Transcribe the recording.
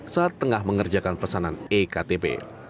saat tengah mengerjakan pesanan ektp